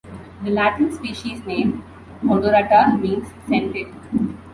The Latin species name "odorata" means "scented".